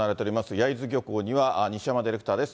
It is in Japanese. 焼津漁港には西山ディレクターです。